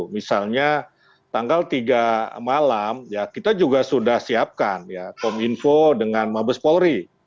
misalnya tanggal tiga malam ya kita juga sudah siapkan ya kominfo dengan mabes polri